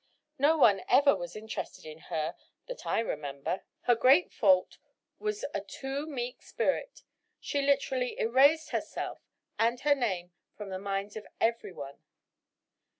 No one ever was interested in her, that I remember. Her great fault was a too meek spirit. She literally erased herself and her name from the minds of everyone."